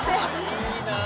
いいなあ。